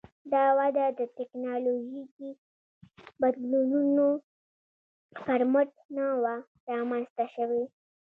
دا وده د ټکنالوژیکي بدلونونو پر مټ نه وه رامنځته شوې